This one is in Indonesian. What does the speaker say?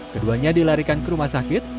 keduanya dilarikan ke rumah sakit